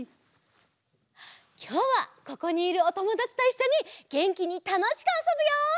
きょうはここにいるおともだちといっしょにげんきにたのしくあそぶよ！